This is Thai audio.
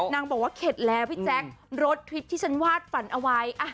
นางบอกว่าเข็ดแล้วพี่แจ๊ครถทริปที่ฉันวาดฝันเอาไว้